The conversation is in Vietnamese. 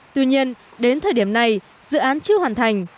tuy nhiên đến thời điểm này dự án chưa hoàn thành